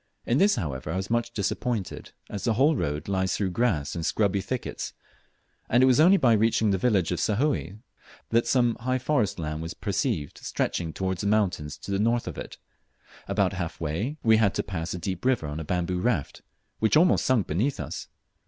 In this however I was much disappointed, as the whole road lies through grass and scrubby thickets, and it was only after reaching the village of Sahoe that some high forest land was perceived stretching towards the mountains to the north of it. About half way we dad to pass a deep river on a bamboo raft, which almost sunk beneath us.